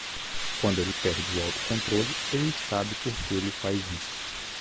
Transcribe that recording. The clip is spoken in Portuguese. Quando ele perde o autocontrole, ele sabe por que ele faz isso.